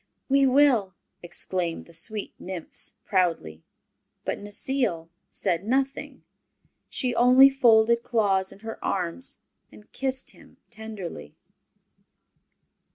"We will!" exclaimed the sweet nymphs, proudly. But Necile said nothing. She only folded Claus in her arms and kissed him tenderly.